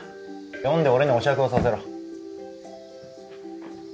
呼んで俺にお酌をさせろ。